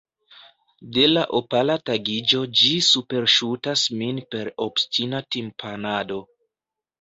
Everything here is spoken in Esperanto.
De la opala tagiĝo ĝi superŝutas min per obstina timpanado.